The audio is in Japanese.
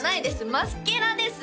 マスケラです！